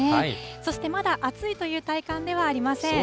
そしてまだ暑いという体感ではありません。